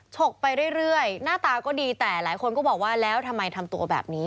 ฉกไปเรื่อยหน้าตาก็ดีแต่หลายคนก็บอกว่าแล้วทำไมทำตัวแบบนี้